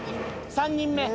３人目？